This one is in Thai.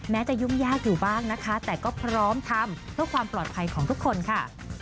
จะยุ่งยากอยู่บ้างนะคะแต่ก็พร้อมทำเพื่อความปลอดภัยของทุกคนค่ะ